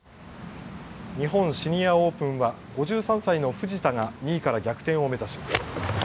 日本シニアオープンは５３歳の藤田が２位から逆転を目指します。